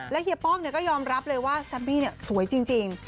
เฮียป้องก็ยอมรับเลยว่าแซมบี้สวยจริง